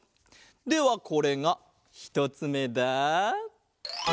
ではこれがひとつめだ。